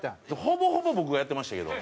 ほぼほぼ僕がやってましたけど。